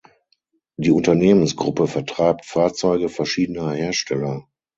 Die Unternehmensgruppe vertreibt Fahrzeuge verschiedener Hersteller.